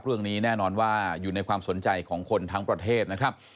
เรื่องนี้แน่นอนว่าอยู่ในความสนใจของคนทั้งประเทศนะครับ